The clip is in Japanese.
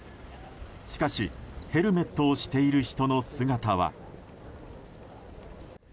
しかしヘルメットをしている人の姿は。